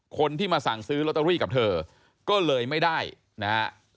คนที่มาสั่งซื้อลอตเตอรี่กับเธอก็เลยไม่ได้นะฮะ